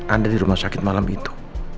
ada di rumah sakit malem itu